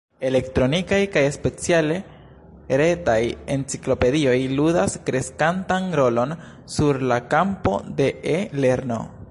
Elektronikaj kaj speciale retaj enciklopedioj ludas kreskantan rolon sur la kampo de e-lerno.